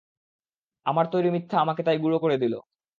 আমার তৈরি মিথ্যা আমাকে তাই গুঁড়ো করে দিল।